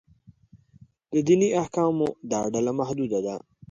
د دیني احکامو دا ډله محدود ده.